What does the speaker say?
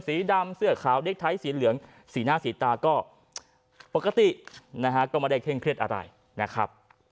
สีดำเสื้อขาวเด็กไทยสีเหลืองสีหน้าสีตาก็ปกตินะฮะก็ไม่ได้เคร่งเครียดอะไรนะครับ